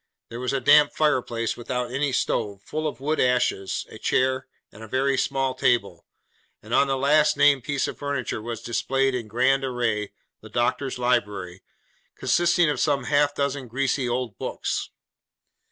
There was a damp fireplace without any stove, full of wood ashes; a chair, and a very small table; and on the last named piece of furniture was displayed, in grand array, the doctor's library, consisting of some half dozen greasy old books.